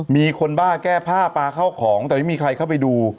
มีคนบ้าแก้ผ้าปลาเข้าของแต่ไม่มีใครเข้าไปดู